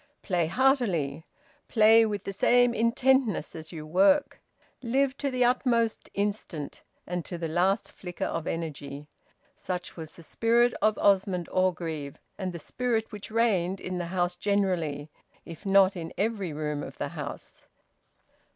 Play heartily! Play with the same intentness as you work! Live to the uttermost instant and to the last flicker of energy! Such was the spirit of Osmond Orgreave, and the spirit which reigned in the house generally, if not in every room of the house.